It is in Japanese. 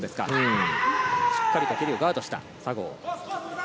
しっかりとここはガードした佐合。